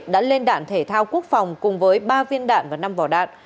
đã lên đạn thể thao quốc phòng cùng với ba viên đạn và năm vỏ đạn